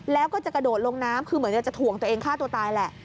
แล้วก็จะกระโดดลงน้ำคือเหมือนจะถ่วงตัวเองฆ่าตัวตายแหละ